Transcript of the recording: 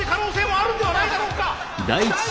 あ！